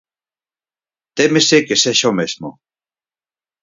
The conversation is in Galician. Témese que sexa o mesmo.